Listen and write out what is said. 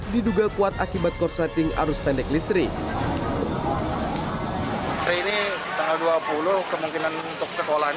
diduga kuat akibat korsleting arus pendek listrik